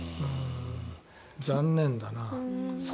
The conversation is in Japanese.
残念だな。